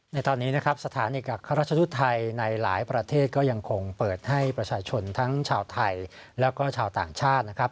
ในตอนนี้นะครับสถานเอกอัครราชชุดไทยในหลายประเทศก็ยังคงเปิดให้ประชาชนทั้งชาวไทยแล้วก็ชาวต่างชาตินะครับ